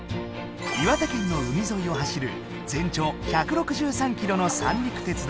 岩手県の海ぞいを走る全長１６３キロの三陸鉄道。